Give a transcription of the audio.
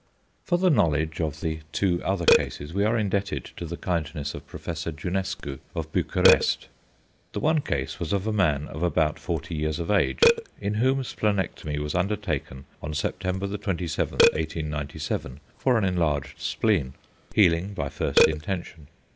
For the knowledge of the two other cases we are indebted to the kindness of Professor Jounescu of Bucharest. The one case was of a man of about 40 years of age, in whom splenectomy was undertaken on Sept. 27, 1897, for an enlarged spleen. Healing by first intention.